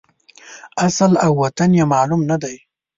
اصل او وطن یې معلوم نه دی.